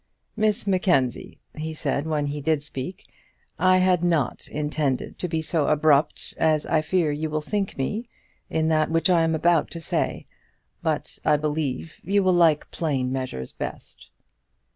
"Miss Mackenzie," he said, when he did speak. "I had not intended to be so abrupt as I fear you will think me in that which I am about to say; but I believe you will like plain measures best."